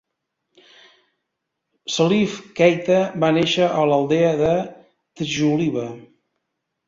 Salif Keita va néixer a l'aldea de Djoliba.